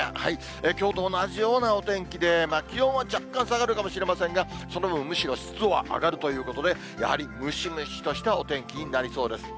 きょうと同じようなお天気で、気温は若干下がるかもしれませんが、その分、むしろ湿度は上がるということで、やはりムシムシとしたお天気になりそうです。